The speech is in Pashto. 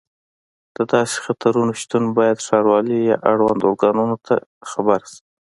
د داسې خطرونو شتون باید ښاروالۍ یا اړوندو ارګانونو ته خبر شي.